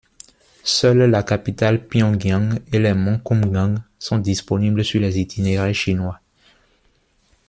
Seuls la capitale Pyongyang et les Monts Kumgang sont disponibles sur les itinéraires chinois.